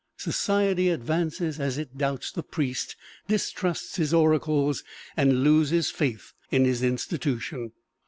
Society advances as it doubts the priest, distrusts his oracles, and loses faith in his institution.